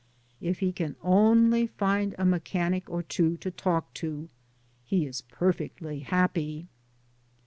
If he can only find a mechanic or two to talk to, he is i>erfectly happy.